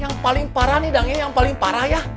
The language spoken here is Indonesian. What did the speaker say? yang paling parah nih dang yang paling parah ya